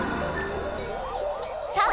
さあ！